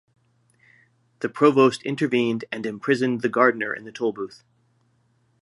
The Provost intervened and imprisoned the gardener in the Tolbooth.